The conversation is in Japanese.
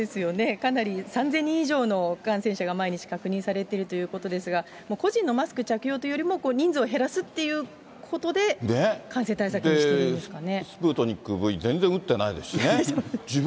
かなり３０００人以上の感染者が毎日確認されているということですが、もう個人のマスク着用ということよりも、人数を減らすということで、感染対策しているんですかね。